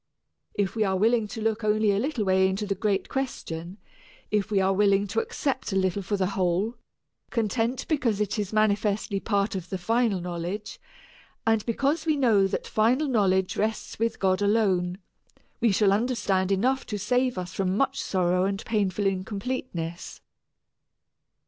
If we are willing to look only a little way into the great question, if we are willing to accept a little for the whole, content because it is manifestly part of the final knowledge, and because we know that final knowledge rests with God alone, we shall understand enough to save us from much sorrow and painful incompleteness.